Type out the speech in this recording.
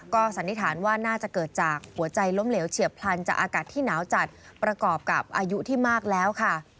ก็สันนิษฐานว่าน่าจะเกิดจากหัวใจล้มเหลวเฉียบพลันจากอากาศที่หนาวจัดประกอบกับอายุที่มากแล้วค่ะ